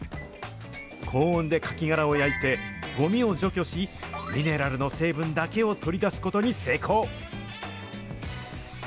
高温でカキ殻を焼いて、ごみを除去し、ミネラルの成分だけを取り出すことに成功。